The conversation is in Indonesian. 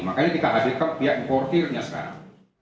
makanya kita hadir ke pihak importernya sekarang